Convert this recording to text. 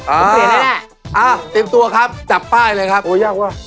อ่าเตรียมตัวครับจับป้ายเลยครับโอ้ยยากว่ะ